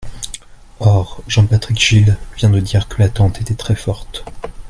Or Jean-Patrick Gille vient de dire que l’attente était très forte.